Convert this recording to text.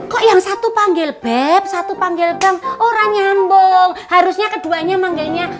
kok yang satu panggil bep satu panggil gang orang nyambung harusnya keduanya manggilnya